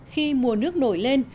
khi mùa nước nổi lên